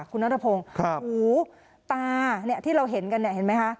คุณนัทพงศ์หูตาเนี่ยที่เราเห็นกันเนี่ยเห็นไหมคะ